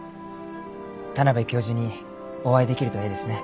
田邊教授にお会いできるとえいですね。